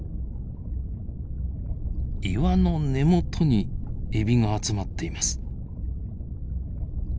岩の根元にエビが集まっています。